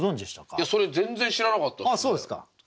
いやそれ全然知らなかったっすね。